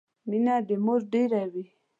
مينه د مور ډيره وي